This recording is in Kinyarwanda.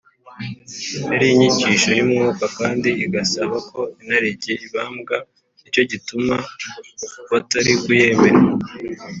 . Yari inyigisho y’umwuka kandi igasaba ko inarijye ibambwa, nicyo gituma batari kuyemera